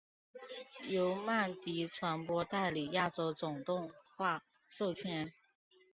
由曼迪传播代理亚洲总动画授权。